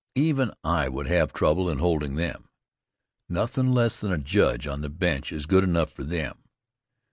Even I would have trouble in holding them. Nothin' less than a judge on the bench is good enough for them.